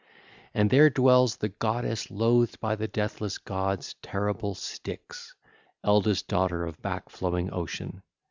(ll. 775 806) And there dwells the goddess loathed by the deathless gods, terrible Styx, eldest daughter of back flowing 1623 Ocean.